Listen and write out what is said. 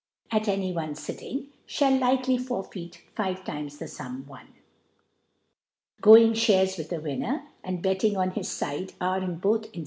at any one Sitting, fliall likcwife forfeit five Times the Sum won. Going Shares with rheWmfter, and Bectibg on. his^ Side, are, in^both In